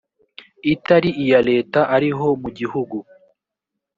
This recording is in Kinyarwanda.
itari iya leta ariho mu gihugu